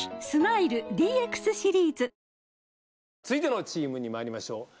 スマイル ＤＸ シリーズ！続いてのチームにまいりましょう。